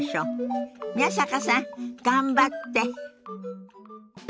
宮坂さん頑張って！